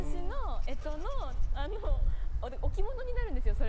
干支の置物になるんです